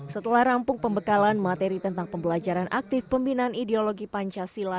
setelah rampung pembekalan materi tentang pembelajaran aktif pembinaan ideologi pancasila